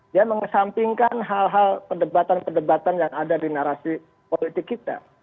dia mengesampingkan hal hal perdebatan perdebatan yang ada di narasi politik kita